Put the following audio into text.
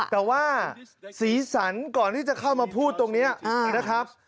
แต่ว่าสีสันก่อนที่จะเข้ามาพูดตรงนี้นะครับ